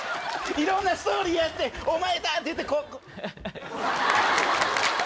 いろんなストーリーあってお前だ！って言って、こう。